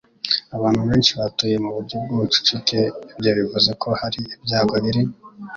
Abantu benshi batuye mu buryo bw'ubucucike, ibyo bivuze ko hari ibyago biri